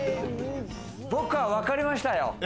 僕は分かりましたよ。